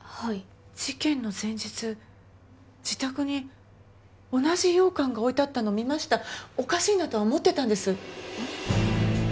はい事件の前日自宅に同じ羊羹が置いてあったの見ましたおかしいなとは思ってたんですえっ？